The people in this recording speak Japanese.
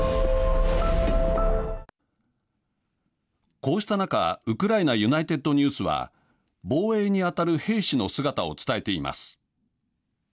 こうした中ウクライナユナイテッドニュースは防衛に当たる兵士の姿を伝えています。